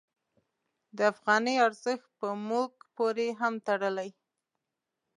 د افغانیو ارزښت په موږ پورې هم تړلی.